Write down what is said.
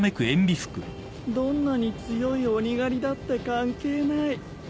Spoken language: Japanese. どんなに強い鬼狩りだって関係ない。